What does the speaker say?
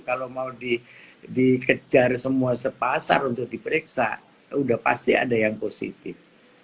kalau mau dikejar semua sepasar untuk diperiksa sudah pasti ada yang positif